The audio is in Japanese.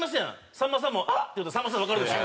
さんまさんも「ハッ！」って言うたらさんまさんわかるでしょ？